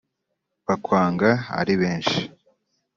bakwanga ari benshi